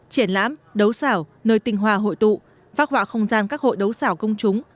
triển lãm đấu xảo nơi tinh hoa hội tụ phát họa không gian các hội đấu xảo công chúng